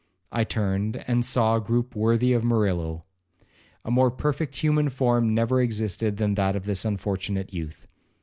I turned, and saw a groupe worthy of Murillo. A more perfect human form never existed than that of this unfortunate youth.